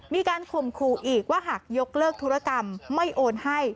มีการข่มขู่อีกว่าหากยกเลิกธุรกรรมไม่โอนให้